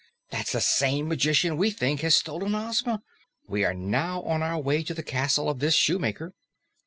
That's the same magician we think has stolen Ozma. We are now on our way to the castle of this Shoemaker."